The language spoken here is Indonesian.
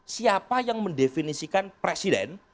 siapa yang mendefinisikan presiden